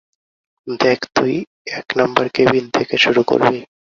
দেখ, তুই এক নাম্বার কেবিন থেকে শুরু করবি।